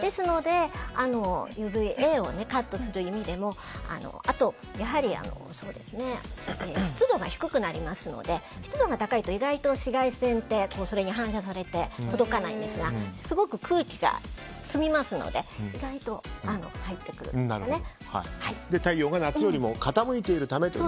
ですので、ＵＶ‐Ａをカットするという意味でもあと、やはり湿度が低くなりますので湿度が高いと意外と紫外線ってそれに反射されて届かないんですがすごく空気が澄みますので意外と太陽が夏よりも傾いているためと。